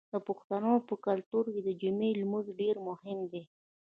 د پښتنو په کلتور کې د جمعې لمونځ ډیر مهم دی.